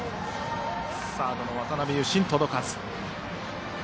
サードの渡邊勇伸、届かず。